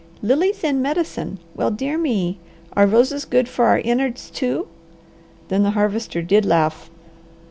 "Lilies in medicine; well dear me! Are roses good for our innards too?" Then the Harvester did laugh.